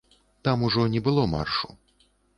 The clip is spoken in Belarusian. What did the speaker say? Там ужо не было маршу.